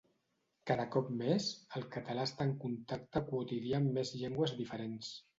Cada cop més, el català està en contacte quotidià amb més llengües diferents.